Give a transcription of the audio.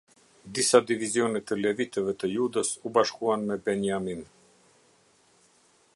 Disa divizione të Levitëve të Judës u bashkuan në Beniamin.